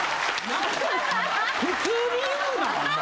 普通に言うなお前！